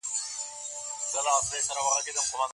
نوي کالي په نوروز کي نه هېریږي.